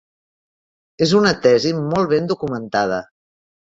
És una tesi molt ben documentada.